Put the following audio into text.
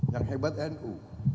yang hebat nu